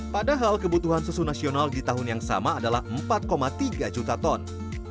padahal kebutuhan susu nasional di tahun yang sama adalah empat tiga juta ton